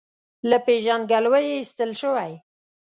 له پېژندګلوۍ یې ایستل شوی.